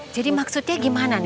jadi maksudnya gimana nih